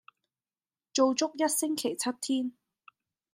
做足一星期七天